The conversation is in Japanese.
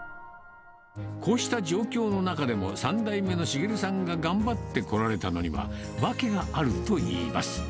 こうした状況の中でも、３代目の茂さんが頑張ってこられたのには、訳があるといいます。